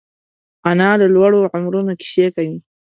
انا له لوړو عمرونو کیسې کوي